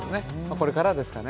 これからですかね。